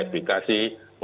untuk menentukan juga bagaimana